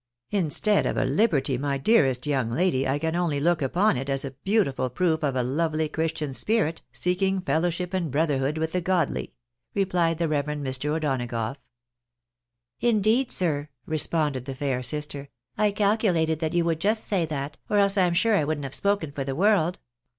" Instead of a liberty, my dearest young lady, I can only look upon it as a beautiful proof of a lovely Christian spirit, seeking fellowship and brotherhood with the godly," replied the reverend Mr. O'Donagough. " Indeed, sir," responded the fair sister, " I calculated that you would just say that, or else I'm sure I wouldn't have spoken for the world.